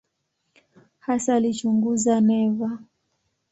Hasa alichunguza neva.